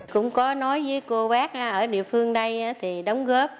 cũng có nói với cô bác ở địa phương đây thì đóng góp